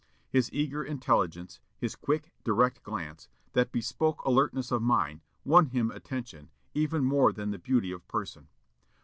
His eager intelligence, his quick, direct glance, that bespoke alertness of mind, won him attention, even more than would beauty of person.